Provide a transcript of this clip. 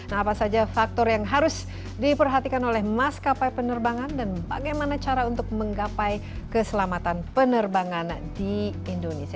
nah apa saja faktor yang harus diperhatikan oleh maskapai penerbangan dan bagaimana cara untuk menggapai keselamatan penerbangan di indonesia